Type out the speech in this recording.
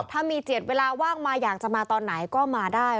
ถ้ามีเจียดเวลาว่างมาอยากจะมาตอนไหนก็มาได้